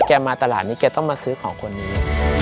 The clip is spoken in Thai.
มาตลาดนี้แกต้องมาซื้อของคนนี้